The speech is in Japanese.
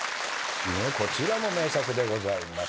こちらも名作でございます。